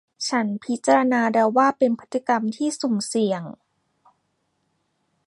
ฉันพิจารณาแล้วว่ามันเป็นพฤติกรรมที่สุ่มเสี่ยง